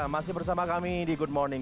masih bersama kami di good morning